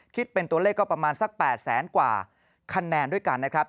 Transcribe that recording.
คิดเป็นตัวเลขก็ประมาณสัก๘แสนกว่าคะแนนด้วยกันนะครับ